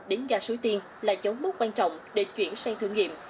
đến ga suối tiên là dấu mốc quan trọng để chuyển sang thử nghiệm